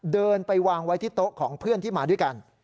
เดินไปวางไว้ที่โต๊ะของเพื่อนที่มาด้วยกัน